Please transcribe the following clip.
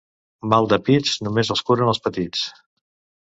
Mal de pits només el curen els petits.